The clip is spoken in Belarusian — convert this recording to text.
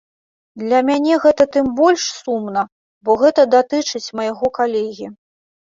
Для мяне гэта тым больш сумна, бо гэта датычыць майго калегі.